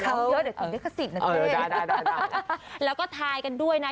คำเยอะเดี๋ยวถึงได้ขสิทธิ์นะเต้เออได้แล้วก็ทายกันด้วยนะ